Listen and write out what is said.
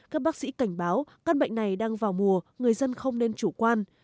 các bác sĩ cảnh báo căn bệnh này đang vào mùa người dân không nên chủ quan